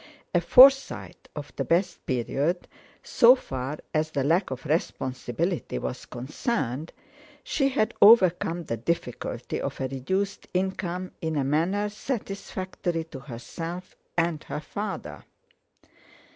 A Forsyte of the best period, so far as the lack of responsibility was concerned, she had overcome the difficulty of a reduced income in a manner satisfactory to herself and her father.